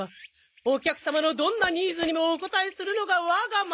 お客様のどんなニーズにもお応えするのが我がマユツバ社。